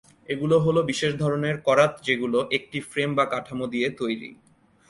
এগুলো হল বিশেষ ধরনের করাত যেগুলো একটি ফ্রেম বা কাঠামো দিয়ে তৈরি।